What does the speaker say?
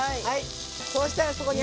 そうしたらここに。